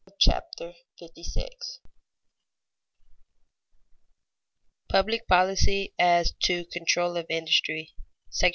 CHAPTER 56 PUBLIC POLICY AS TO CONTROL OF INDUSTRY § I.